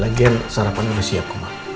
lagian sarapan udah siap